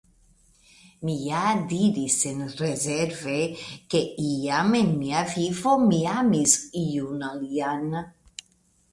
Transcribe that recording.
Mi ja diris senrezerve, ke iam en mia vivo mi amis iun alian.